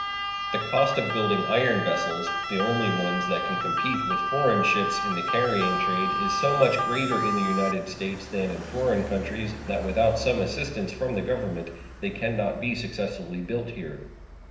The cost of building iron vessels, the only ones that can compete with foreign ships in the carrying trade, is so much greater in the United States than in foreign countries that without some assistance from the Government they can not be successfully built here.